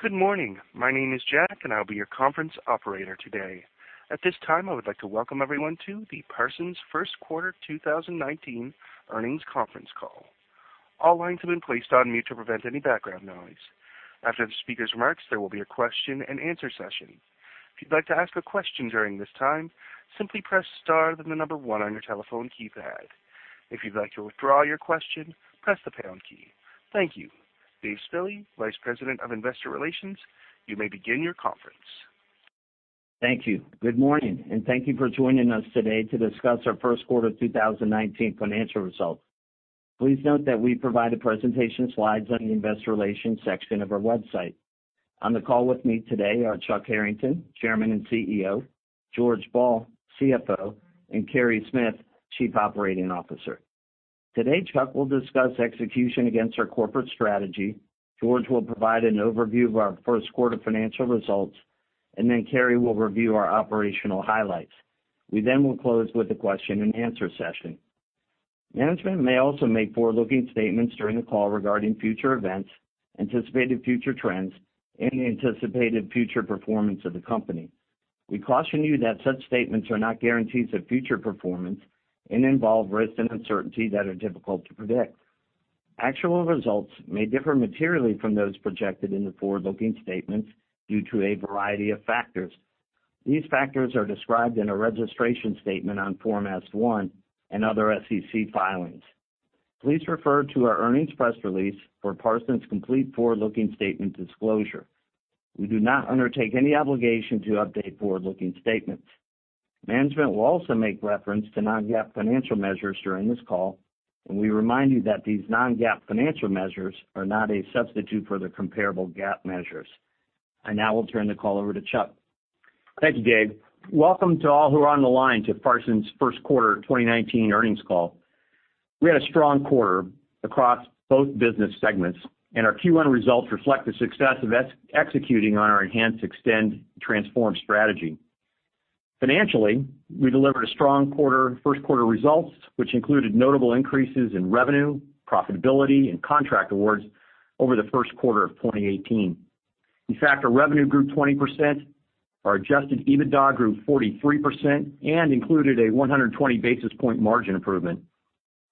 Good morning. My name is Jack, and I'll be your conference operator today. At this time, I would like to welcome everyone to the Parsons first quarter 2019 earnings conference call. All lines have been placed on mute to prevent any background noise. After the speaker's remarks, there will be a question and answer session. If you'd like to ask a question during this time, simply press star, then the number 1 on your telephone keypad. If you'd like to withdraw your question, press the pound key. Thank you. Dave Spille, Vice President of Investor Relations, you may begin your conference. Thank you. Good morning. Thank you for joining us today to discuss our first quarter 2019 financial results. Please note that we provide the presentation slides on the investor relations section of our website. On the call with me today are Chuck Harrington, Chairman and CEO, George Ball, CFO, and Carey Smith, Chief Operating Officer. Today, Chuck will discuss execution against our corporate strategy. George will provide an overview of our first quarter financial results. Then Carey will review our operational highlights. We then will close with a question and answer session. Management may also make forward-looking statements during the call regarding future events, anticipated future trends, and anticipated future performance of the company. We caution you that such statements are not guarantees of future performance and involve risks and uncertainty that are difficult to predict. Actual results may differ materially from those projected in the forward-looking statements due to a variety of factors. These factors are described in our registration statement on Form S-1 and other SEC filings. Please refer to our earnings press release for Parsons' complete forward-looking statement disclosure. We do not undertake any obligation to update forward-looking statements. Management will also make reference to non-GAAP financial measures during this call. We remind you that these non-GAAP financial measures are not a substitute for the comparable GAAP measures. I now will turn the call over to Chuck. Thank you, Dave. Welcome to all who are on the line to Parsons' first quarter 2019 earnings call. We had a strong quarter across both business segments. Our Q1 results reflect the success of executing on our enhance, extend, transform strategy. Financially, we delivered a strong first quarter results, which included notable increases in revenue, profitability, and contract awards over the first quarter of 2018. In fact, our revenue grew 20%, our adjusted EBITDA grew 43% and included a 120 basis point margin improvement.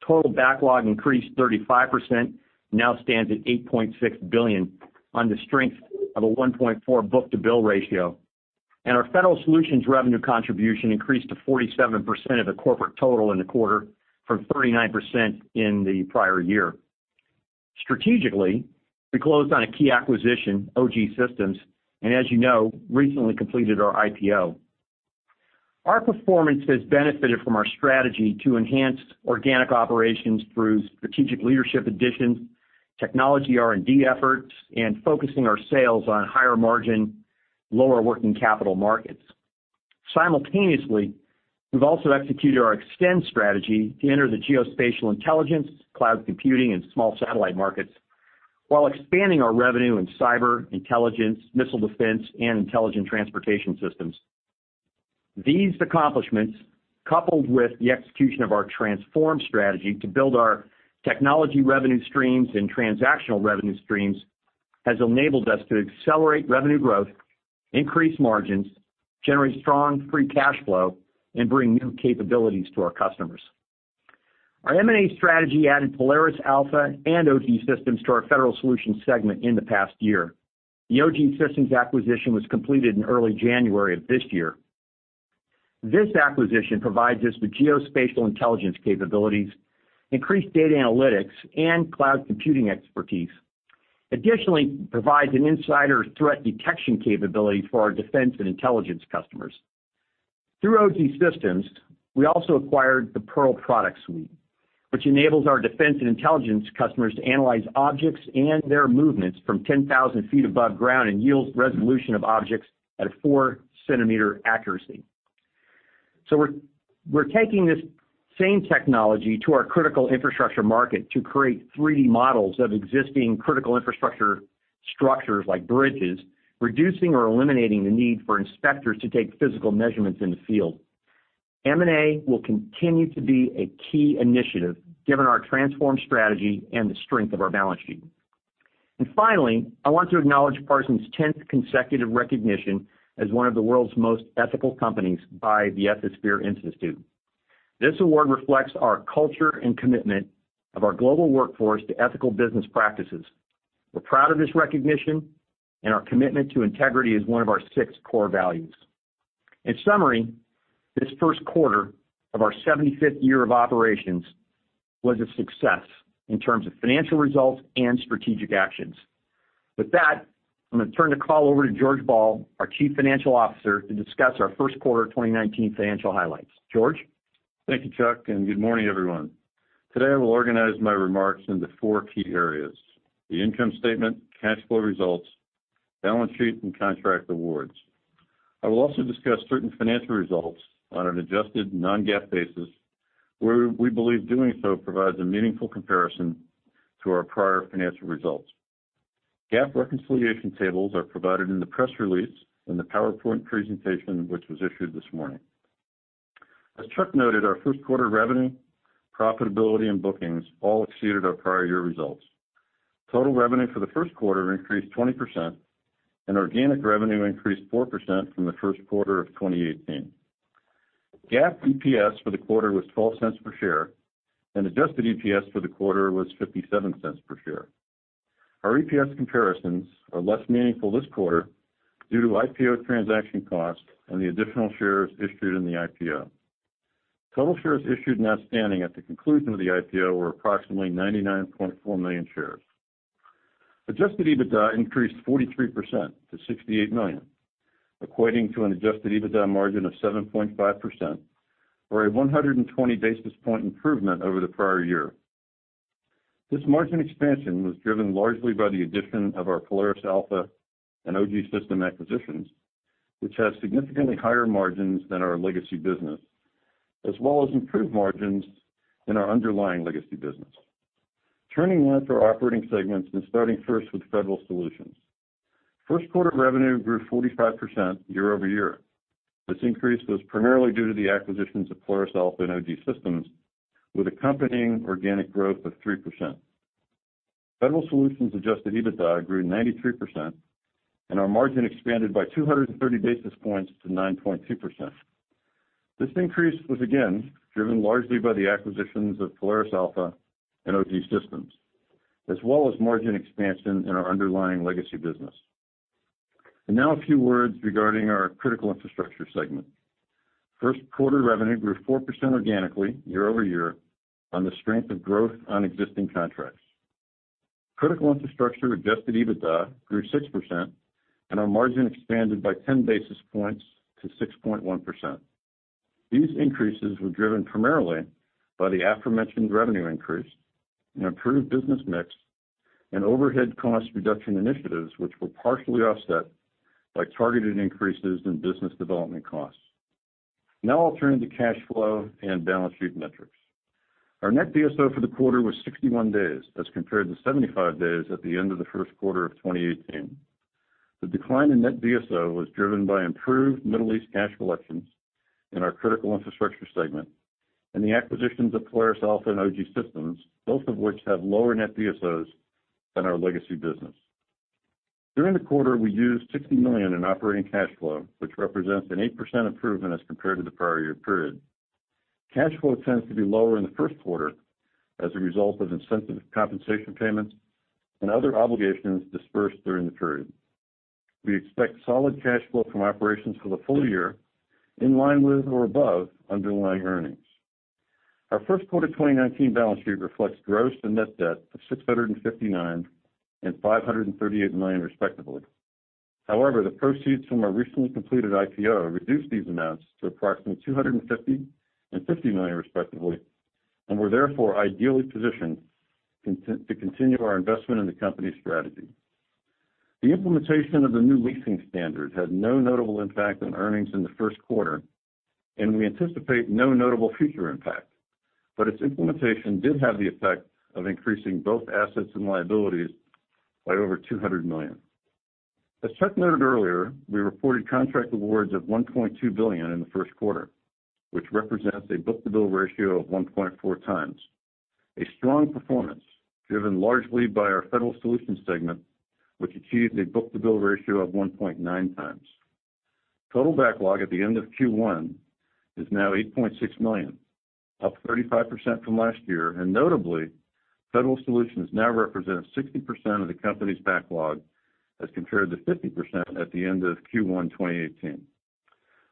Total backlog increased 35%, now stands at $8.6 billion on the strength of a 1.4 book-to-bill ratio. Our Federal Solutions revenue contribution increased to 47% of the corporate total in the quarter from 39% in the prior year. Strategically, we closed on a key acquisition, OGSystems, as you know, recently completed our IPO. Our performance has benefited from our strategy to enhance organic operations through strategic leadership additions, technology R&D efforts, and focusing our sales on higher margin, lower working capital markets. Simultaneously, we've also executed our extend strategy to enter the geospatial intelligence, cloud computing, and small satellite markets while expanding our revenue in cyber intelligence, missile defense, and intelligent transportation systems. These accomplishments, coupled with the execution of our transform strategy to build our technology revenue streams and transactional revenue streams, has enabled us to accelerate revenue growth, increase margins, generate strong free cash flow, and bring new capabilities to our customers. Our M&A strategy added Polaris Alpha and OGSystems to our Federal Solutions segment in the past year. The OGSystems acquisition was completed in early January of this year. This acquisition provides us with geospatial intelligence capabilities, increased data analytics, and cloud computing expertise. Provides an insider threat detection capability for our defense and intelligence customers. Through OGSystems, we also acquired the PeARL product suite, which enables our defense and intelligence customers to analyze objects and their movements from 10,000 feet above ground and yields resolution of objects at a four-centimeter accuracy. We're taking this same technology to our Critical Infrastructure market to create 3D models of existing critical infrastructure structures like bridges, reducing or eliminating the need for inspectors to take physical measurements in the field. M&A will continue to be a key initiative, given our transform strategy and the strength of our balance sheet. Finally, I want to acknowledge Parsons' 10th consecutive recognition as one of the world's most ethical companies by the Ethisphere Institute. This award reflects our culture and commitment of our global workforce to ethical business practices. We're proud of this recognition, and our commitment to integrity is one of our six core values. In summary, this first quarter of our 75th year of operations was a success in terms of financial results and strategic actions. With that, I'm going to turn the call over to George Ball, our Chief Financial Officer, to discuss our first quarter 2019 financial highlights. George. Thank you, Chuck. Good morning, everyone. Today, I will organize my remarks into four key areas: the income statement, cash flow results, balance sheet, and contract awards. I will also discuss certain financial results on an adjusted non-GAAP basis where we believe doing so provides a meaningful comparison to our prior financial results. GAAP reconciliation tables are provided in the press release in the PowerPoint presentation, which was issued this morning. As Chuck noted, our first quarter revenue, profitability, and bookings all exceeded our prior year results. Total revenue for the first quarter increased 20%, and organic revenue increased 4% from the first quarter of 2018. GAAP EPS for the quarter was $0.12 per share, and adjusted EPS for the quarter was $0.57 per share. Our EPS comparisons are less meaningful this quarter due to IPO transaction costs and the additional shares issued in the IPO. Total shares issued and outstanding at the conclusion of the IPO were approximately 99.4 million shares. Adjusted EBITDA increased 43% to $68 million, equating to an adjusted EBITDA margin of 7.5%, or a 120 basis point improvement over the prior year. This margin expansion was driven largely by the addition of our Polaris Alpha and OGSystems acquisitions, which have significantly higher margins than our legacy business, as well as improved margins in our underlying legacy business. Turning now to our operating segments and starting first with Federal Solutions. First quarter revenue grew 45% year-over-year. This increase was primarily due to the acquisitions of Polaris Alpha and OGSystems, with accompanying organic growth of 3%. Federal Solutions adjusted EBITDA grew 93%, and our margin expanded by 230 basis points to 9.2%. This increase was again driven largely by the acquisitions of Polaris Alpha and OGSystems, as well as margin expansion in our underlying legacy business. Now a few words regarding our Critical Infrastructure segment. First quarter revenue grew 4% organically year-over-year on the strength of growth on existing contracts. Critical Infrastructure adjusted EBITDA grew 6%, and our margin expanded by 10 basis points to 6.1%. These increases were driven primarily by the aforementioned revenue increase, an improved business mix, and overhead cost reduction initiatives, which were partially offset by targeted increases in business development costs. I'll turn to cash flow and balance sheet metrics. Our net DSO for the quarter was 61 days as compared to 75 days at the end of the first quarter of 2018. The decline in net DSO was driven by improved Middle East cash collections in our Critical Infrastructure segment and the acquisitions of Polaris Alpha and OGSystems, both of which have lower net DSOs than our legacy business. During the quarter, we used $60 million in operating cash flow, which represents an 8% improvement as compared to the prior year period. Cash flow tends to be lower in the first quarter as a result of incentive compensation payments and other obligations dispersed during the period. We expect solid cash flow from operations for the full year in line with or above underlying earnings. Our first quarter 2019 balance sheet reflects gross and net debt of $659 million and $538 million respectively. The proceeds from our recently completed IPO reduced these amounts to approximately $250 million and $50 million respectively, we're therefore ideally positioned to continue our investment in the company's strategy. The implementation of the new leasing standard had no notable impact on earnings in the first quarter, and we anticipate no notable future impact. Its implementation did have the effect of increasing both assets and liabilities by over $200 million. As Chuck noted earlier, we reported contract awards of $1.2 billion in the first quarter, which represents a book-to-bill ratio of 1.4 times. A strong performance driven largely by our Federal Solutions segment, which achieved a book-to-bill ratio of 1.9 times. Total backlog at the end of Q1 is now $8.6 billion, up 35% from last year. Notably, Federal Solutions now represents 60% of the company's backlog as compared to 50% at the end of Q1 2018.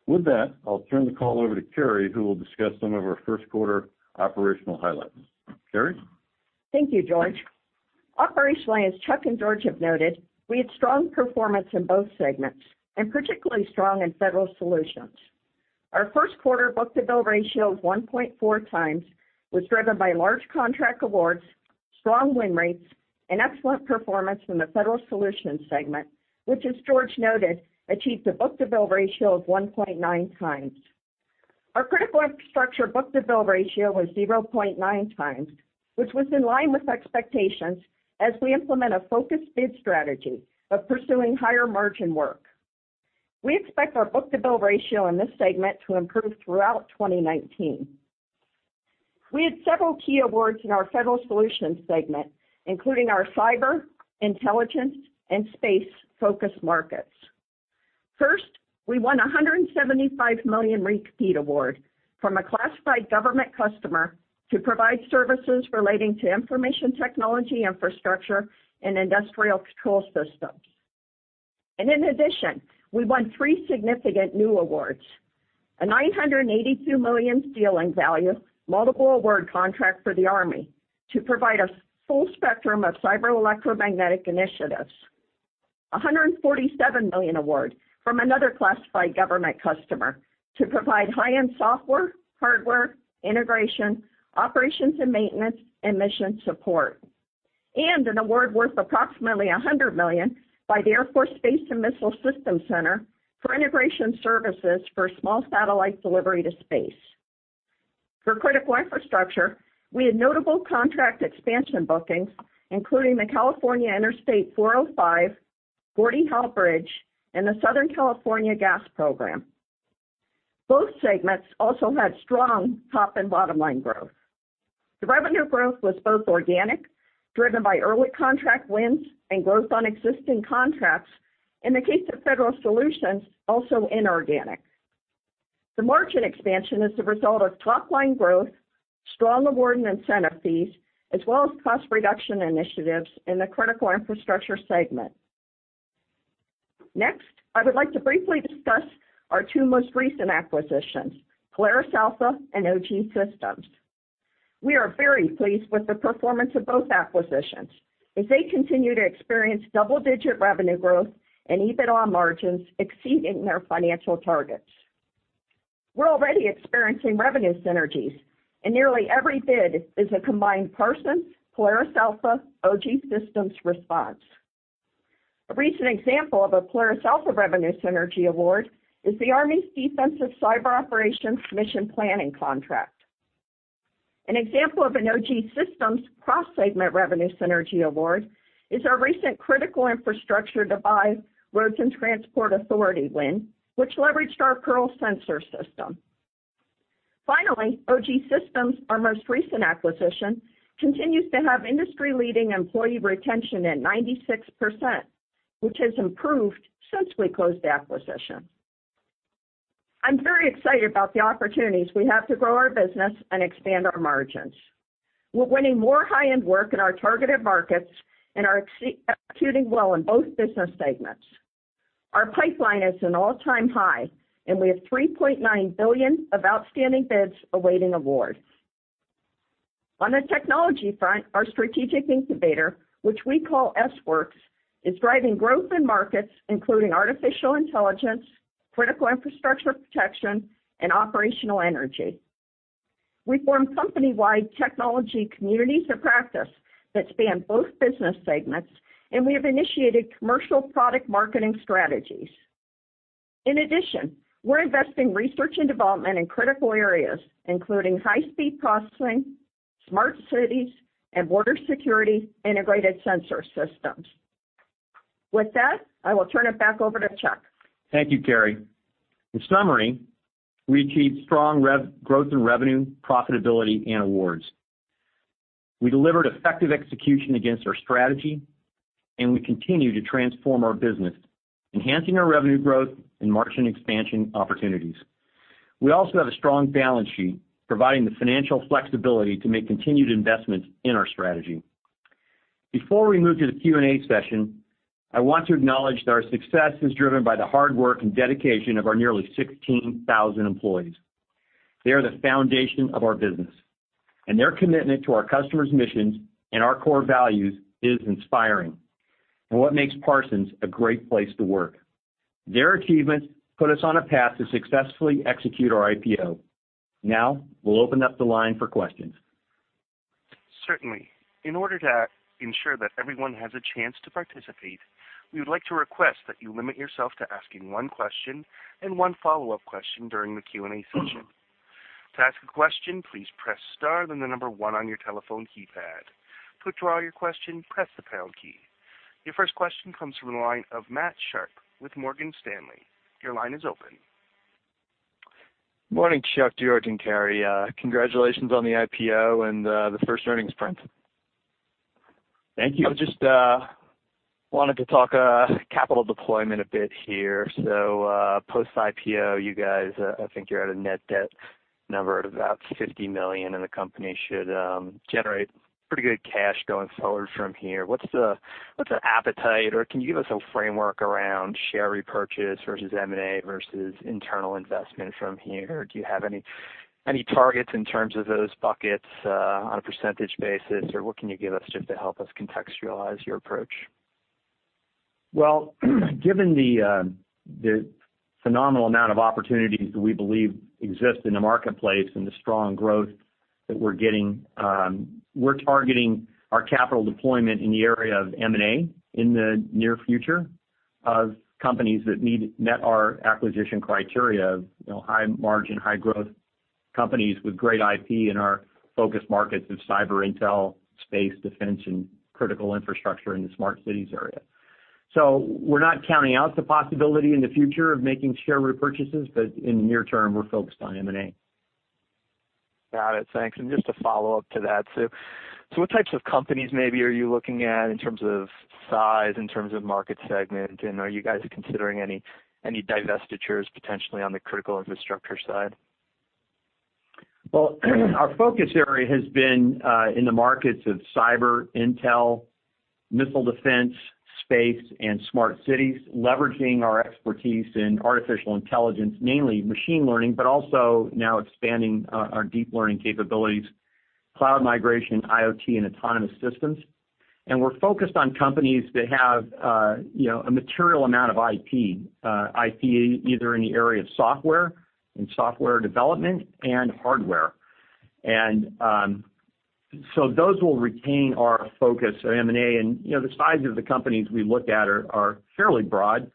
With that, I'll turn the call over to Carey, who will discuss some of our first quarter operational highlights. Carey? Thank you, George. Operationally, as Chuck and George have noted, we had strong performance in both segments, and particularly strong in Federal Solutions. Our first quarter book-to-bill ratio of 1.4 times was driven by large contract awards, strong win rates, and excellent performance from the Federal Solutions segment, which, as George noted, achieved a book-to-bill ratio of 1.9 times. Our Critical Infrastructure book-to-bill ratio was 0.9 times, which was in line with expectations as we implement a focused bid strategy of pursuing higher-margin work. We expect our book-to-bill ratio in this segment to improve throughout 2019. We had several key awards in our Federal Solutions segment, including our cyber, intelligence, and space-focused markets. First, we won $175 million re-compete award from a classified government customer to provide services relating to information technology infrastructure and industrial control systems. In addition, we won three significant new awards, a $982 million ceiling value multiple award contract for the Army to provide a full spectrum of cyber electromagnetic initiatives. $147 million award from another classified government customer to provide high-end software, hardware, integration, operations and maintenance, and mission support. An award worth approximately $100 million by the Air Force Space and Missile Systems Center for integration services for small satellite delivery to space. For Critical Infrastructure, we had notable contract expansion bookings, including the California Interstate 405, Gordie Howe Bridge, and the Southern California Gas program. Both segments also had strong top and bottom line growth. The revenue growth was both organic, driven by early contract wins and growth on existing contracts, in the case of Federal Solutions, also inorganic. The margin expansion is the result of top-line growth, strong award and incentive fees, as well as cost reduction initiatives in the Critical Infrastructure segment. Next, I would like to briefly discuss our two most recent acquisitions, Polaris Alpha and OGSystems. We are very pleased with the performance of both acquisitions, as they continue to experience double-digit revenue growth and EBITDA margins exceeding their financial targets. We're already experiencing revenue synergies, and nearly every bid is a combined Parsons, Polaris Alpha, OGSystems response. A recent example of a Polaris Alpha revenue synergy award is the Army's Defensive Cyber Operations Mission Planning contract. An example of an OGSystems cross-segment revenue synergy award is our recent Critical Infrastructure [devised] Roads and Transport Authority win, which leveraged our PeARL sensor system. Finally, OGSystems, our most recent acquisition, continues to have industry-leading employee retention at 96%, which has improved since we closed the acquisition. I'm very excited about the opportunities we have to grow our business and expand our margins. We're winning more high-end work in our targeted markets and are executing well in both business segments. Our pipeline is at an all-time high, and we have $3.9 billion of outstanding bids awaiting awards. On the technology front, our strategic incubator, which we call S-Works, is driving growth in markets including artificial intelligence, critical infrastructure protection, and operational energy. We formed company-wide technology communities of practice that span both business segments, and we have initiated commercial product marketing strategies. In addition, we're investing research and development in critical areas, including high-speed processing, smart cities, and border security integrated sensor systems. With that, I will turn it back over to Chuck. Thank you, Carey. In summary, we achieved strong growth in revenue, profitability, and awards. We delivered effective execution against our strategy, and we continue to transform our business, enhancing our revenue growth and margin expansion opportunities. We also have a strong balance sheet, providing the financial flexibility to make continued investments in our strategy. Before we move to the Q&A session, I want to acknowledge that our success is driven by the hard work and dedication of our nearly 16,000 employees. They are the foundation of our business, and their commitment to our customers' missions and our core values is inspiring and what makes Parsons a great place to work. Their achievements put us on a path to successfully execute our IPO. We'll open up the line for questions. Certainly. In order to ensure that everyone has a chance to participate, we would like to request that you limit yourself to asking one question and one follow-up question during the Q&A session. To ask a question, please press star, then the number one on your telephone keypad. To withdraw your question, press the pound key. Your first question comes from the line of Matthew Sharp with Morgan Stanley. Your line is open. Morning, Chuck, George, and Carey. Congratulations on the IPO and the first earnings print. Thank you. I just wanted to talk capital deployment a bit here. Post-IPO, you guys, I think you're at a net debt number of about $50 million, and the company should generate pretty good cash going forward from here. What's the appetite, or can you give us a framework around share repurchase versus M&A versus internal investment from here? Do you have any targets in terms of those buckets on a percentage basis, or what can you give us just to help us contextualize your approach? Well, given the phenomenal amount of opportunities that we believe exist in the marketplace and the strong growth that we're getting, we're targeting our capital deployment in the area of M&A in the near future of companies that meet our acquisition criteria of high margin, high growth companies with great IP in our focus markets of cyber intel, space defense, and Critical Infrastructure in the smart cities area. We're not counting out the possibility in the future of making share repurchases, but in the near term, we're focused on M&A. Got it. Thanks. Just to follow up to that, what types of companies maybe are you looking at in terms of size, in terms of market segment, and are you guys considering any divestitures potentially on the Critical Infrastructure side? Well, our focus area has been in the markets of cyber intel, missile defense, space, and smart cities, leveraging our expertise in artificial intelligence, mainly machine learning, but also now expanding our deep learning capabilities, cloud migration, IoT, and autonomous systems. We're focused on companies that have a material amount of IP, either in the area of software, in software development, and hardware. Those will retain our focus on M&A, and the size of the companies we look at are fairly broad.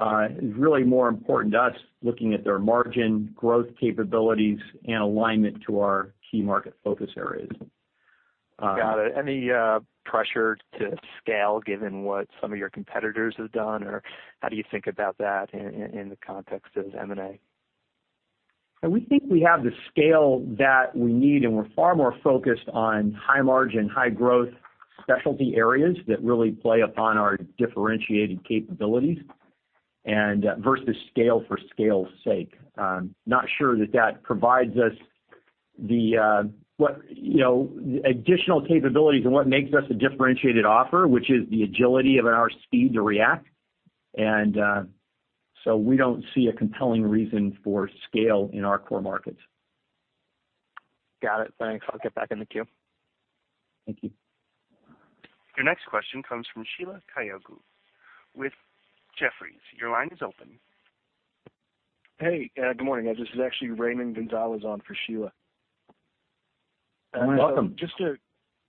It's really more important to us looking at their margin growth capabilities and alignment to our key market focus areas. Got it. Any pressure to scale given what some of your competitors have done, or how do you think about that in the context of M&A? We think we have the scale that we need, we're far more focused on high margin, high growth specialty areas that really play upon our differentiated capabilities versus scale for scale's sake. Not sure that that provides us the additional capabilities and what makes us a differentiated offer, which is the agility of our speed to react. We don't see a compelling reason for scale in our core markets. Got it. Thanks. I'll get back in the queue. Thank you. Your next question comes from Sheila Kahyaoglu with Jefferies. Your line is open. Hey, good morning. This is actually Raymond Gonzalez on for Sheila. Welcome.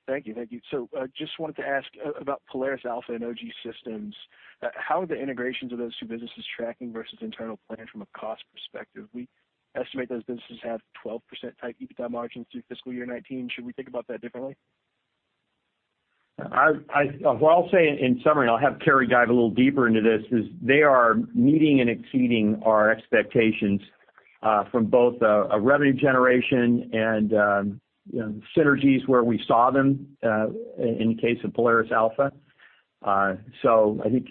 Thank you. Just wanted to ask about Polaris Alpha and OGSystems. How are the integrations of those two businesses tracking versus internal plans from a cost perspective? We estimate those businesses have 12% type EBITDA margins through fiscal year 2019. Should we think about that differently? What I'll say in summary, and I'll have Carey dive a little deeper into this, is they are meeting and exceeding our expectations from both a revenue generation and synergies where we saw them, in the case of Polaris Alpha. I think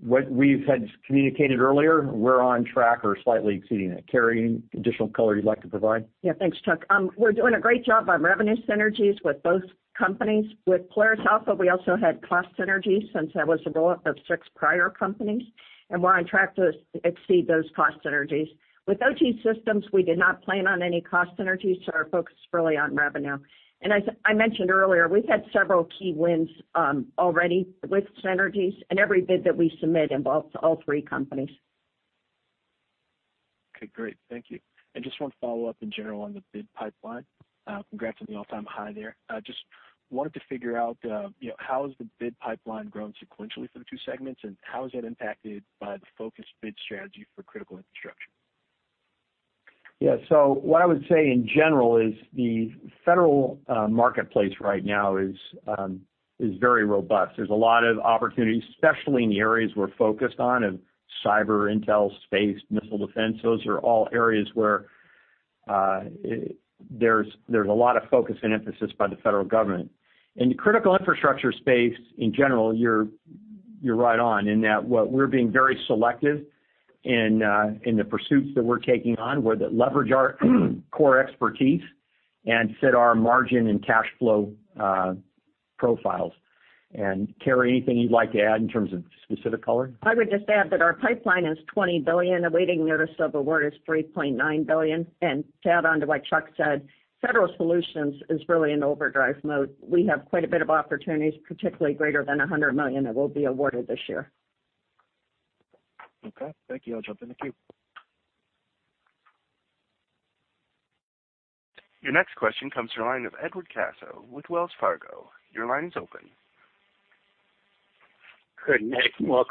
what we've had communicated earlier, we're on track or slightly exceeding it. Carey, additional color you'd like to provide? Thanks, Chuck. We're doing a great job on revenue synergies with both companies. With Polaris Alpha, we also had cost synergies since that was the buildup of six prior companies, and we're on track to exceed those cost synergies. Our focus is really on revenue. As I mentioned earlier, we've had several key wins already with synergies and every bid that we submit involves all three companies. Great. Thank you. Just one follow-up in general on the bid pipeline. Congrats on the all-time high there. Just wanted to figure out how has the bid pipeline grown sequentially for the two segments, and how has that impacted by the focused bid strategy for Critical Infrastructure? What I would say in general is the federal marketplace right now is very robust. There's a lot of opportunities, especially in the areas we're focused on of cyber, intel, space, missile defense. Those are all areas where there's a lot of focus and emphasis by the federal government. In the Critical Infrastructure space in general, you're right on in that we're being very selective in the pursuits that we're taking on, where they leverage our core expertise and fit our margin and cash flow profiles. Carey, anything you'd like to add in terms of specific color? I would just add that our pipeline is $20 billion. A waiting notice of award is $3.9 billion. To add onto what Chuck said, Federal Solutions is really in overdrive mode. We have quite a bit of opportunities, particularly greater than $100 million, that will be awarded this year. Okay, thank you. I'll jump in the queue. Your next question comes to the line of Edward Caso with Wells Fargo. Your line is open. Good. Chuck,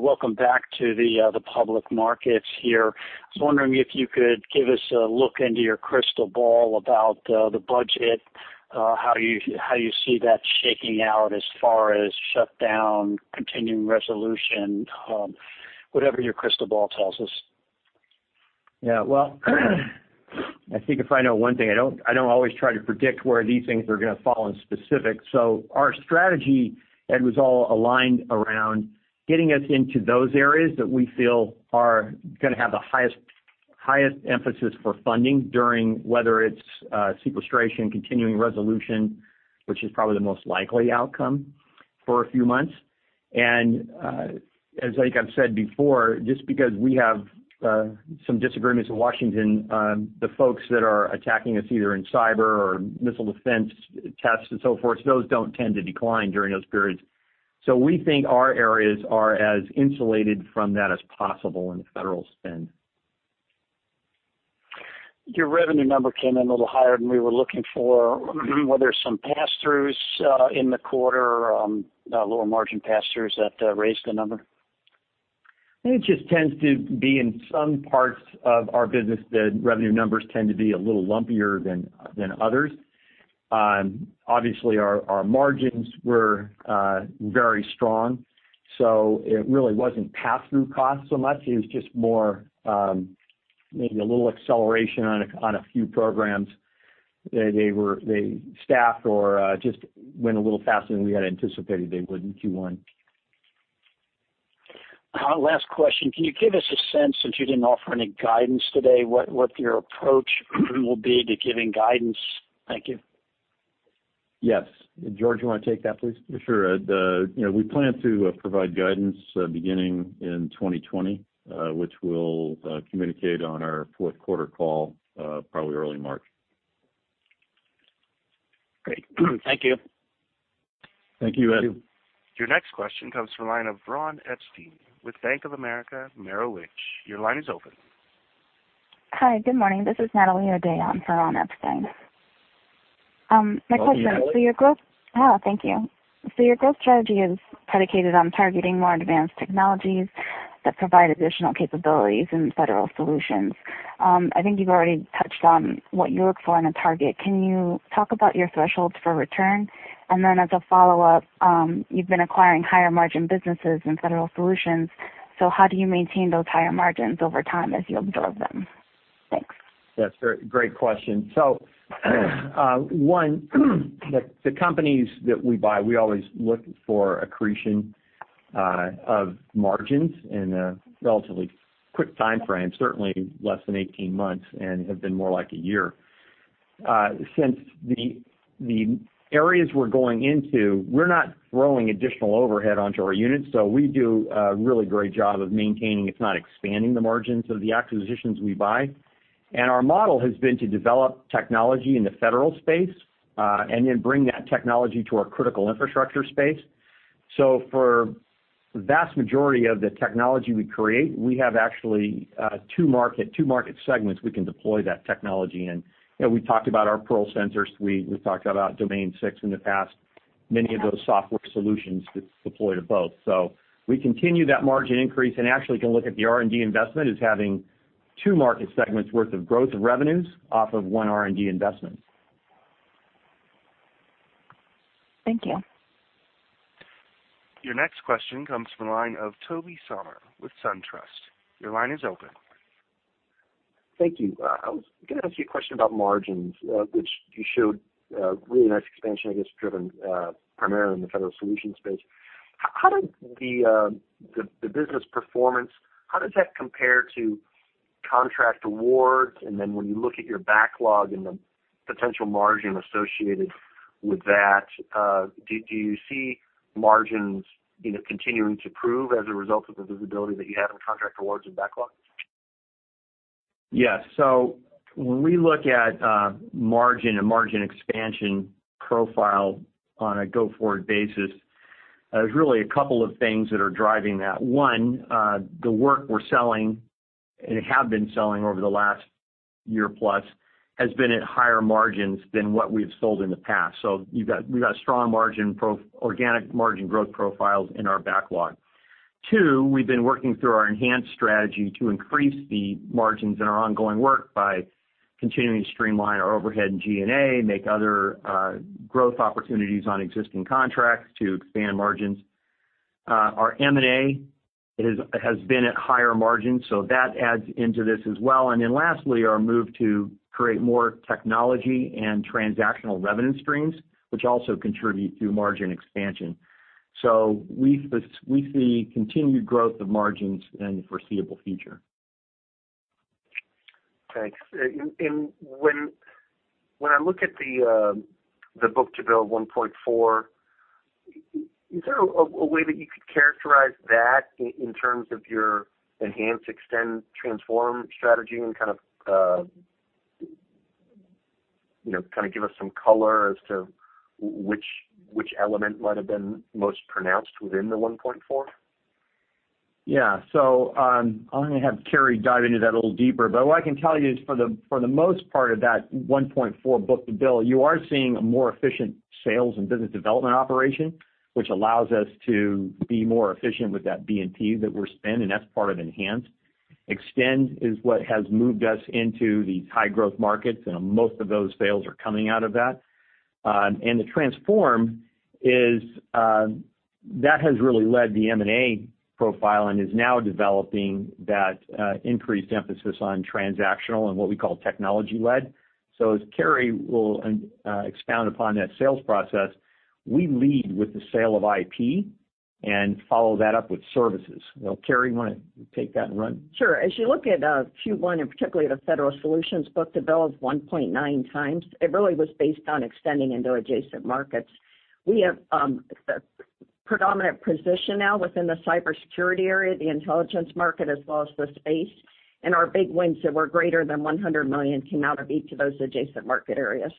welcome back to the public markets here. I was wondering if you could give us a look into your crystal ball about the budget, how you see that shaking out as far as shutdown, continuing resolution, whatever your crystal ball tells us. Well, I think if I know one thing, I don't always try to predict where these things are going to fall in specific. Our strategy, Ed, was all aligned around getting us into those areas that we feel are going to have the highest emphasis for funding during, whether it's sequestration, continuing resolution, which is probably the most likely outcome for a few months. As, like I've said before, just because we have some disagreements in Washington, the folks that are attacking us either in cyber or missile defense tests and so forth, those don't tend to decline during those periods. We think our areas are as insulated from that as possible in federal spend. Your revenue number came in a little higher than we were looking for. Were there some pass-throughs in the quarter, lower margin pass-throughs that raised the number? I think it just tends to be in some parts of our business, the revenue numbers tend to be a little lumpier than others. Obviously, our margins were very strong, so it really wasn't pass-through cost so much. It was just more maybe a little acceleration on a few programs. They staffed or just went a little faster than we had anticipated they would in Q1. Last question. Can you give us a sense, since you didn't offer any guidance today, what your approach will be to giving guidance? Thank you. Yes. George, you want to take that, please? Sure. We plan to provide guidance beginning in 2020, which we'll communicate on our fourth quarter call, probably early March. Great. Thank you. Thank you, Ed. Your next question comes from the line of Ronald Epstein with Bank of America Merrill Lynch. Your line is open. Hi, good morning. This is Natalie Odin for Ronald Epstein. Welcome, Natalie. Thank you. Your growth strategy is predicated on targeting more advanced technologies that provide additional capabilities in Federal Solutions. I think you've already touched on what you look for in a target. Can you talk about your thresholds for return? As a follow-up, you've been acquiring higher margin businesses in Federal Solutions, so how do you maintain those higher margins over time as you absorb them? Thanks. That's a great question. One, the companies that we buy, we always look for accretion of margins in a relatively quick timeframe, certainly less than 18 months, and have been more like a year. Since the areas we're going into, we're not throwing additional overhead onto our units, we do a really great job of maintaining, if not expanding, the margins of the acquisitions we buy. Our model has been to develop technology in the federal space, and then bring that technology to our critical infrastructure space. For vast majority of the technology we create, we have actually two market segments we can deploy that technology in. We talked about our PeARL sensors. We talked about Domain Six in the past. Many of those software solutions deploy to both. We continue that margin increase, and actually, you can look at the R&D investment as having two market segments worth of growth of revenues off of one R&D investment. Thank you. Your next question comes from the line of Tobey Sommer with SunTrust. Your line is open. Thank you. I was going to ask you a question about margins, which you showed a really nice expansion, I guess, driven primarily in the Federal Solutions space. How did the business performance, how does that compare to contract awards? Then when you look at your backlog and the potential margin associated with that, do you see margins continuing to prove as a result of the visibility that you have in contract awards and backlogs? Yes. When we look at margin and margin expansion profile on a go-forward basis, there's really a couple of things that are driving that. One, the work we're selling and have been selling over the last year-plus has been at higher margins than what we've sold in the past. We've got strong organic margin growth profiles in our backlog. Two, we've been working through our enhanced strategy to increase the margins in our ongoing work by continuing to streamline our overhead and G&A, make other growth opportunities on existing contracts to expand margins. Our M&A has been at higher margins, so that adds into this as well. Then lastly, our move to create more technology and transactional revenue streams, which also contribute to margin expansion. We see continued growth of margins in the foreseeable future. Thanks. When I look at the book-to-bill 1.4, is there a way that you could characterize that in terms of your Enhance, Extend, Transform Strategy and kind of give us some color as to which element might have been most pronounced within the 1.4? Yeah. I'm going to have Carey dive into that a little deeper. What I can tell you is for the most part of that 1.4 book-to-bill, you are seeing a more efficient sales and business development operation, which allows us to be more efficient with that BD&P that we're spending, and that's part of Enhance. Extend is what has moved us into these high growth markets, and most of those sales are coming out of that. The Transform, that has really led the M&A profile and is now developing that increased emphasis on transactional and what we call technology-led. As Carey will expound upon that sales process, we lead with the sale of IP and follow that up with services. Carey, you want to take that and run? Sure. As you look at Q1, particularly at a Federal Solutions book to bill of 1.9 times, it really was based on extending into adjacent markets. We have a predominant position now within the cybersecurity area, the intelligence market, as well as the space, our big wins that were greater than $100 million came out of each of those adjacent market areas.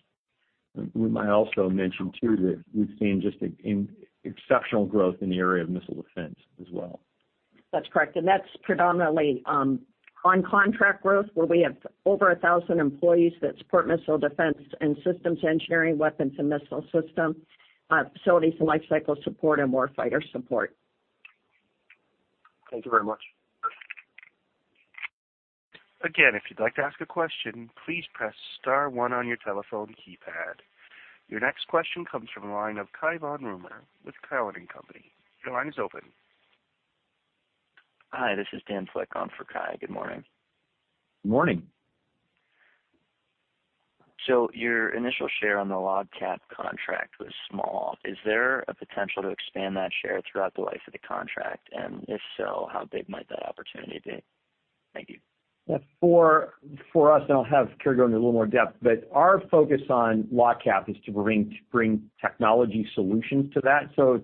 We might also mention, too, that we've seen just exceptional growth in the area of missile defense as well. That's correct. That's predominantly on contract growth where we have over 1,000 employees that support missile defense and systems engineering, weapons and missile system, facilities and lifecycle support, and warfighter support. Thank you very much. Again, if you'd like to ask a question, please press *1 on your telephone keypad. Your next question comes from the line of Cai von Rumohr with Cowen and Company. Your line is open. Hi, this is Dan Flick on for Cai. Good morning. Morning. Your initial share on the LOGCAP contract was small. Is there a potential to expand that share throughout the life of the contract? If so, how big might that opportunity be? Thank you. For us, I'll have Carey go into a little more depth, but our focus on LOGCAP is to bring technology solutions to that. To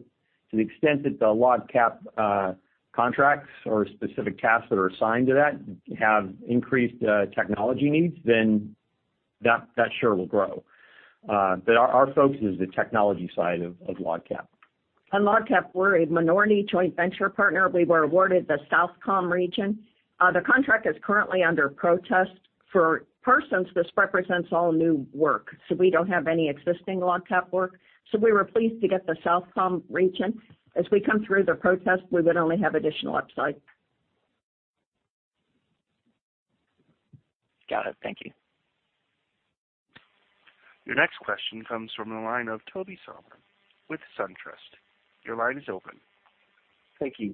the extent that the LOGCAP contracts or specific tasks that are assigned to that have increased technology needs, That sure will grow. Our focus is the technology side of LOGCAP. On LOGCAP, we're a minority joint venture partner. We were awarded the SOUTHCOM region. The contract is currently under protest. For Parsons, this represents all new work, we don't have any existing LOGCAP work. We were pleased to get the SOUTHCOM region. As we come through the protest, we would only have additional upside. Got it. Thank you. Your next question comes from the line of Tobey Sommer with SunTrust. Your line is open. Thank you.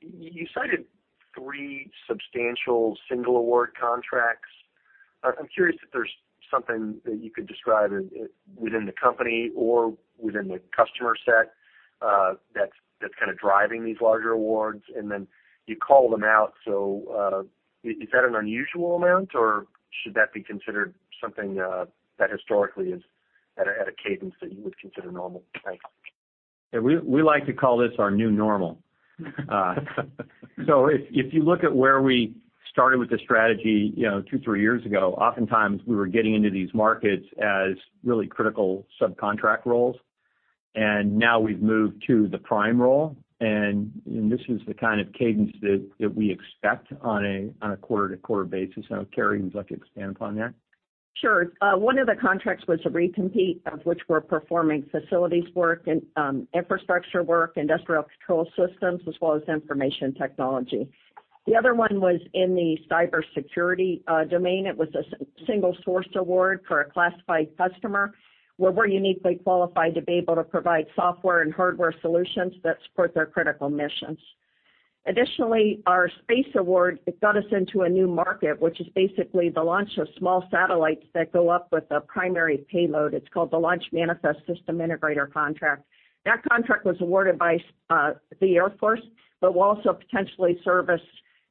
You cited three substantial single award contracts. I'm curious if there's something that you could describe within the company or within the customer set that's kind of driving these larger awards, and then you call them out. Is that an unusual amount, or should that be considered something that historically is at a cadence that you would consider normal? Thanks. We like to call this our new normal. If you look at where we started with the strategy two, three years ago, oftentimes we were getting into these markets as really critical subcontract roles. Now we've moved to the prime role, and this is the kind of cadence that we expect on a quarter-to-quarter basis. Carey, would you like to expand upon that? Sure. One of the contracts was a recompete, of which we're performing facilities work and infrastructure work, industrial control systems, as well as information technology. The other one was in the cybersecurity domain. It was a single source award for a classified customer, where we're uniquely qualified to be able to provide software and hardware solutions that support their critical missions. Additionally, our space award, it got us into a new market, which is basically the launch of small satellites that go up with a primary payload. It's called the Launch Manifest Systems Integration contract. That contract was awarded by the Air Force, but will also potentially service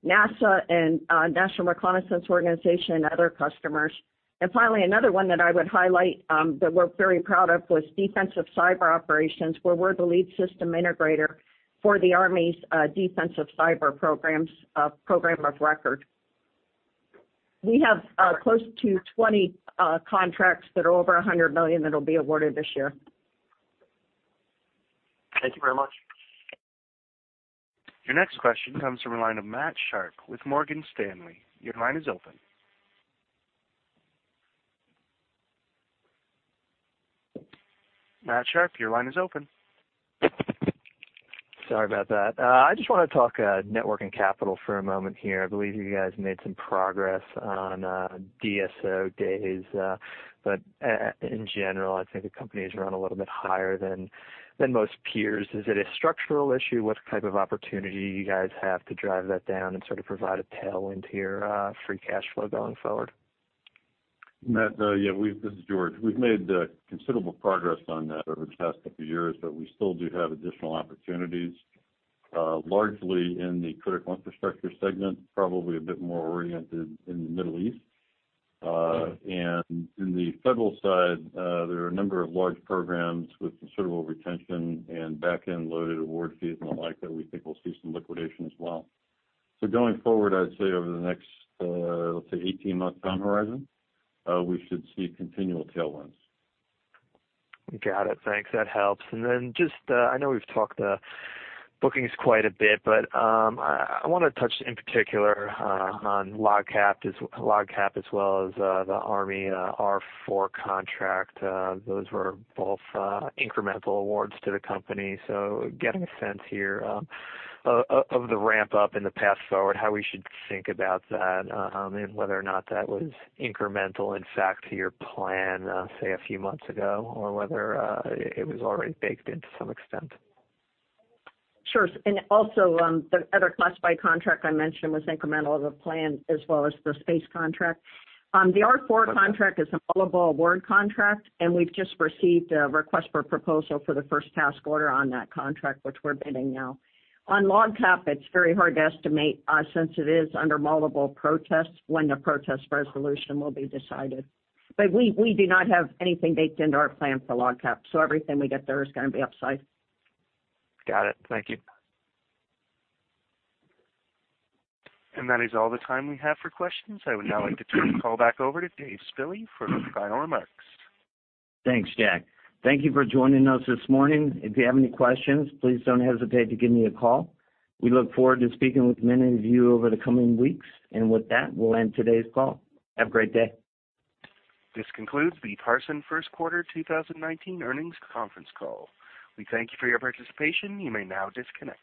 NASA and National Reconnaissance Office and other customers. Finally, another one that I would highlight that we're very proud of was Defensive Cyber Operations, where we're the lead system integrator for the Army's defensive cyber program of record. We have close to 20 contracts that are over $100 million that'll be awarded this year. Thank you very much. Your next question comes from the line of Matt Sharpe with Morgan Stanley. Your line is open. Matt Sharp, your line is open. Sorry about that. I just want to talk net working capital for a moment here. I believe you guys made some progress on DSO days. In general, I think the company is run a little bit higher than most peers. Is it a structural issue? What type of opportunity you guys have to drive that down and sort of provide a tailwind to your free cash flow going forward? Matt, yeah. This is George. We've made considerable progress on that over the past couple of years, but we still do have additional opportunities, largely in the Critical Infrastructure segment, probably a bit more oriented in the Middle East. In the Federal side, there are a number of large programs with considerable retention and back-end loaded award fees and the like that we think we'll see some liquidation as well. Going forward, I'd say over the next, let's say, 18-month time horizon, we should see continual tailwinds. Got it. Thanks. That helps. Then just, I know we've talked bookings quite a bit, but I want to touch in particular on LOGCAP as well as the U.S. Army R4 contract. Those were both incremental awards to the company. Getting a sense here of the ramp up in the path forward, how we should think about that, and whether or not that was incremental, in fact, to your plan, say a few months ago, or whether it was already baked in to some extent. Sure. Also, the other classified contract I mentioned was incremental to the plan as well as the space contract. The R4 contract is a multiple award contract, and we've just received a request for a proposal for the first task order on that contract, which we're bidding now. On LOGCAP, it's very hard to estimate since it is under multiple protests, when the protest resolution will be decided. We do not have anything baked into our plan for LOGCAP. Everything we get there is going to be upside. Got it. Thank you. That is all the time we have for questions. I would now like to turn the call back over to Dave Spille for final remarks. Thanks, Jack. Thank you for joining us this morning. If you have any questions, please don't hesitate to give me a call. We look forward to speaking with many of you over the coming weeks. With that, we'll end today's call. Have a great day. This concludes the Parsons first quarter 2019 earnings conference call. We thank you for your participation. You may now disconnect.